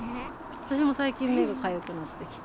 私も最近、目がかゆくなってきて、